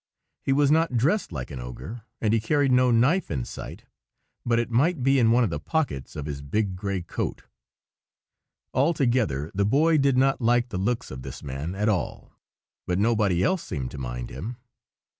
He was not dressed like an ogre, and he carried no knife in sight; but it might be in one of the pockets of his big gray coat. Altogether, the Boy did not like the looks of this man at all, but nobody else seemed to mind him.